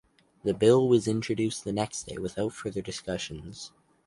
The bill was introduced the next day without further discussions.